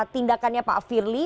tindakannya pak firly